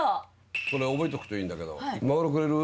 これ覚えとくといいんだけど「マグロくれる？